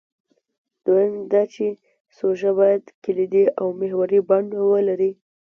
دویم دا چې سوژه باید کلیدي او محوري بڼه ولري.